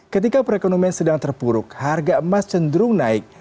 ketika perekonomian sedang terpuruk harga emas cenderung naik